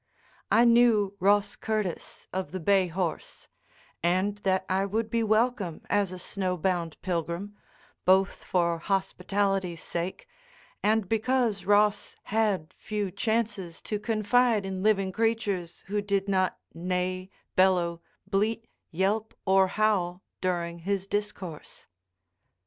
I knew Ross Curtis of the Bay Horse, and that I would be welcome as a snow bound pilgrim, both for hospitality's sake and because Ross had few chances to confide in living creatures who did not neigh, bellow, bleat, yelp, or howl during his discourse.